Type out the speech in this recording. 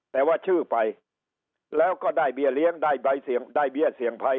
แต่ว่าชื่อไปแล้วก็ได้เบี้ยเลี้ยงได้ใบเสี่ยงได้เบี้ยเสี่ยงภัย